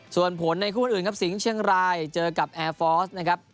ส่วนผลในคู่อื่นครับสิงห์เชียงรายเจอกับแอร์ฟอร์สนะครับ